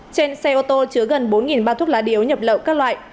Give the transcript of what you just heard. trên xe ô tô chứa gần bốn ba trăm linh thuốc lá điếu nhập lậu các loại